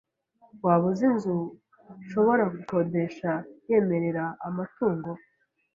Waba uzi inzu nshobora gukodesha yemerera amatungo?